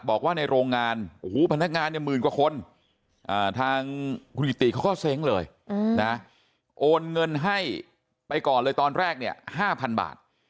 โอนเงินให้ไปก่อนเลยตอนแรก๕๐๐๐บาท